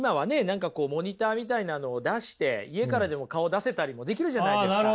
何かこうモニターみたいなのを出して家からでも顔を出せたりもできるじゃないですか。